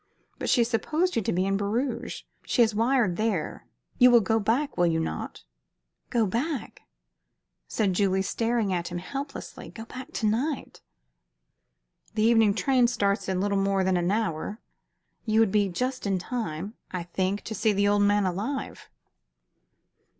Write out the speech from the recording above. But she supposed you to be in Bruges. She has wired there. You will go back, will you not?" "Go back?" said Julie, staring at him helplessly. "Go back to night?" "The evening train starts in little more than an hour. You would be just in time, I think, to see the old man alive."